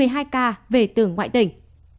và một mươi ba ca về tường ngoại tỉnh